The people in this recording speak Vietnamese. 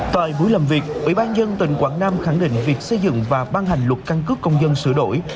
tại buổi làm việc ủy ban nhân tỉnh quảng nam khẳng định việc xây dựng và ban hành luật căn cước công dân sửa đổi